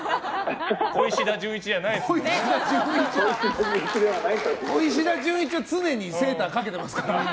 小石田純一は常にセーターをかけてますから。